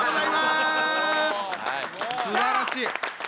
すばらしい。